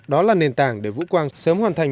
đó là nền tảng để vũ quang sớm hoàn thành